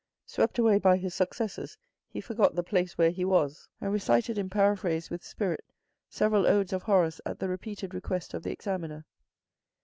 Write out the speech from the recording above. Swept away by his successes, he forgot the place where he was, and recited in paraphrase with spirit several odes of Horace at the repeated request of the examiner.